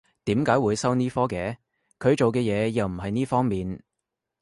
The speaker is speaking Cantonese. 點解會收呢科嘅？佢做嘅嘢又唔係呢方面